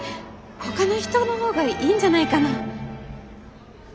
ほかの人の方がいいんじゃないかな？